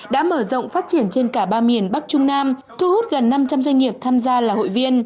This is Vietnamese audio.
đã mở rộng phát triển trên cả ba miền bắc trung nam thu hút gần năm trăm linh doanh nghiệp tham gia là hội viên